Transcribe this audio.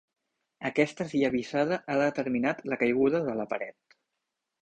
Aquesta esllavissada ha determinat la caiguda de la paret.